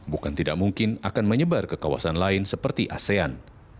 bukan tidak mungkin akan menyebar ke kawasan lain seperti asean